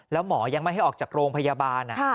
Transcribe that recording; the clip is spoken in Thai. แล้วหมอยังไม่ให้ออกจากโรงพยาบาล